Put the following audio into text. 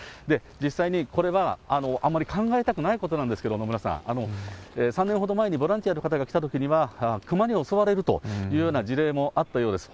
実際にこれはあまり考えたくないことなんですけど、野村さん、３年ほど前にボランティアの方が来たときには、クマに襲われるというような事例もあったようです。